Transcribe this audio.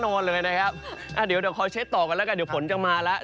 นอนเลยนะครับอ่าเดี๋ยวเดี๋ยวคอยเช็คต่อกันแล้วกันเดี๋ยวฝนจะมาแล้ว